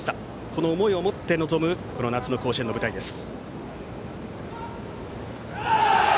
この思いを持って臨む夏の甲子園の舞台です。